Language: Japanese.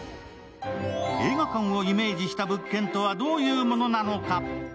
映画館をイメージした物件とはどういうものなのか？